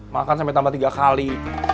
makan sampai tambah tiga kali